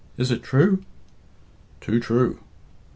Is it true?" "Too true."